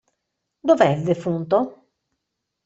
Dov'è il defunto?